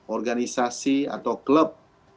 organisasi atau klub